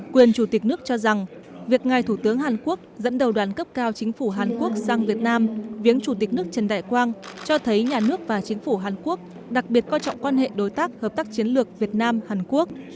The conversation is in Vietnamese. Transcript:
quyền chủ tịch nước cho rằng việc ngài thủ tướng hàn quốc dẫn đầu đoàn cấp cao chính phủ hàn quốc sang việt nam viếng chủ tịch nước trần đại quang cho thấy nhà nước và chính phủ hàn quốc đặc biệt coi trọng quan hệ đối tác hợp tác chiến lược việt nam hàn quốc